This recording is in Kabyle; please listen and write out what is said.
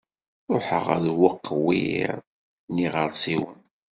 Ṛuḥeɣ ar weqwiṛ n iɣersiwen.